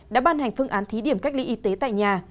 đã ban hành phương án thí điểm cách ly y tế tại nhà